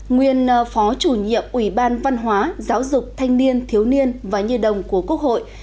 nguyên phó chủ nhiệm ủy ban văn hóa giáo dục thanh niên thiếu niên và như đồng của quốc hội